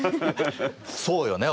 そうよね